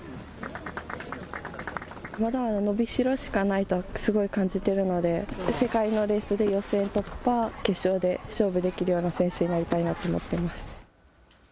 まだまだ伸びしろしかないとすごい感じているので、世界のレースで予選突破、決勝で勝負できるような選手になりたいなと思っています。